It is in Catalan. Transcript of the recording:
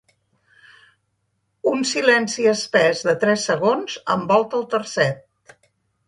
Un silenci espès de tres segons envolta el tercet.